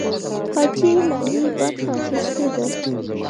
حاجي لالي برخه اخیستې ده.